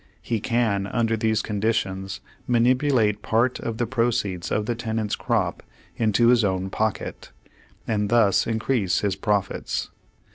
He can, under these conditions, manipulate part of the proceeds of the tenant's crop into his own pocket, and thus increase his profits.